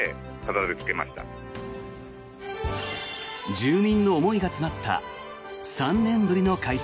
住民の思いが詰まった３年ぶりの開催。